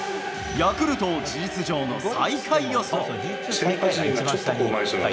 ヤクルトを事実上の最下位予想。